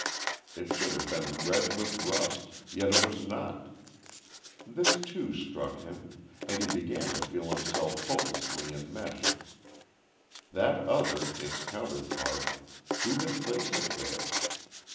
It should have been red with rust yet it was not. This too struck him, and he began to feel himself hopelessly enmeshed. That other, its counterpart, who had placed it there?